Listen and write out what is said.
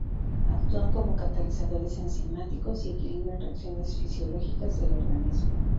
Actúan como catalizadores enzimáticos y equilibran reacciones fisiológicas del organismo.